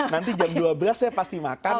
nanti jam dua belas saya pasti makan